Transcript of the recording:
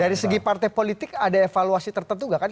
dari segi partai politik ada evaluasi tertentu nggak kan